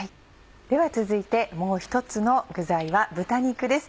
では続いてもう一つの具材は豚肉です。